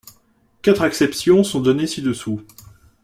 Quatre acceptions sont données ci-dessous.